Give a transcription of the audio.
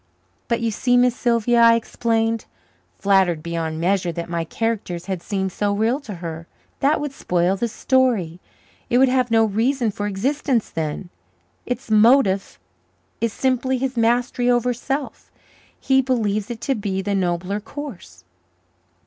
"But, you see, Miss Sylvia," I explained, flattered beyond measure that my characters had seemed so real to her, "that would spoil the story. It would have no reason for existence then. Its motif is simply his mastery over self. He believes it to be the nobler course."